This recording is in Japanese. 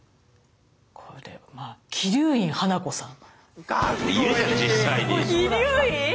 これまあ鬼龍院花子さん。